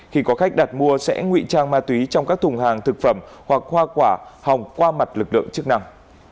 khi có khách đặt mua sẽ ngụy trang ma túy trong các thùng hàng thực phẩm hoặc hoa quả hồng qua mặt lực lượng chức năng